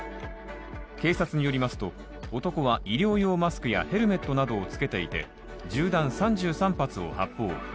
警察によりますと男は医療用マスクやヘルメットなどをつけていて銃弾３３発を発砲。